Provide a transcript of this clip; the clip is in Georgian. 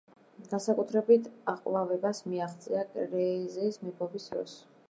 განსაკუთრებულ აყვავებას მიაღწია კრეზის მეფობის დროს.